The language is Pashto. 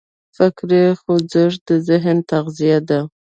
فکري خوځښت د ذهن تغذیه ده.